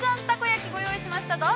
たこ焼きご用意しました。